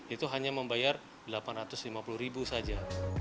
itu hanya membayar delapan ratus lima puluh ribu saja